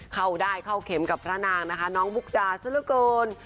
เข้าได้เข้าเข็มกับพระนางนะคะน้องมุกดาซะละเกิน